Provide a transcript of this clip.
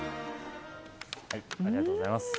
ありがとうございます。